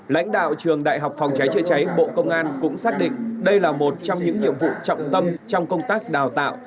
lãnh đạo trường đại học phòng cháy chữa cháy bộ công an cũng xác định đây là một trong những nhiệm vụ trọng tâm trong công tác đào tạo